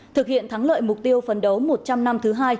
thực hiện thắng lợi mục tiêu phấn đấu một trăm linh năm thứ hai